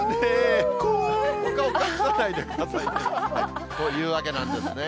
お顔隠さないで。というわけなんですね。